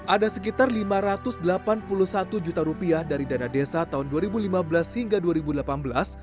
ada sekitar lima ratus delapan puluh satu juta rupiah dari dana desa tahun dua ribu lima belas hingga dua ribu delapan belas